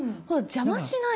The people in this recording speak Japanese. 邪魔しない。